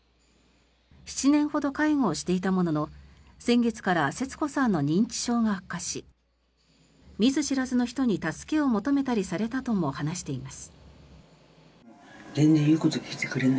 ７年ほど介護をしていたものの先月から節子さんの認知症が悪化し見ず知らずの人に助けを求めたりされたとも話しています。